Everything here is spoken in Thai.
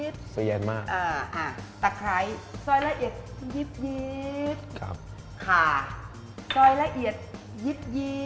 ตะไคร้ซอยละเอียดยิบค่ะซอยละเอียดยิบยี